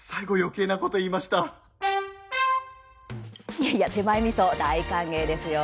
いやいや、手前みそ大歓迎ですよ。